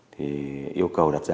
thì yêu cầu đặt ra